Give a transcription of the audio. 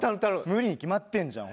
無理に決まってんじゃん